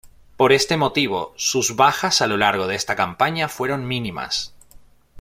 Por este motivo sus bajas a lo largo de esta campaña fueron mínimas.